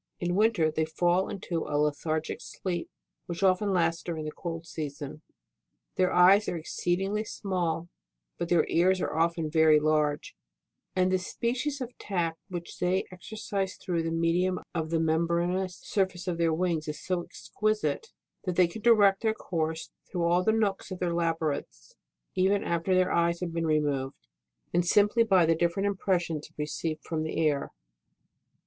In winter they fall into a lethargic sleep, which often lasts during the cold season. Their eyes are exceedingly small, but their ears are often very large, and the species of tact which they exercise through the medium of the membranous sur face of their wings, is so exquisite, that they can direct their course through all the nooks of their labyrinths, even after their eyes have been removed, and simply by the different impressions received from the air.